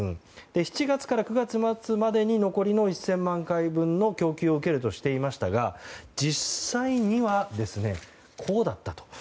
７月から９月末までに残りの１０００万回分の供給を受けるとしていましたが実際には、こうだったと。